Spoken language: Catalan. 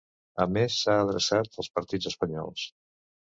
A més, s’ha adreçat als partits espanyols.